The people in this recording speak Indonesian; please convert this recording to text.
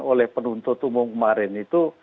oleh penuntut umum kemarin itu